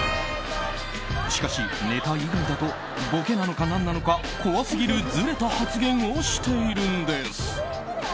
しかし、ネタ以外だとボケなのか何なのか怖すぎるずれた発言をしているんです。